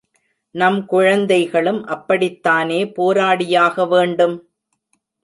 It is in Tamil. நம் குழந்தைகளும் அப்படித்தானே போராடியாக வேண்டும்?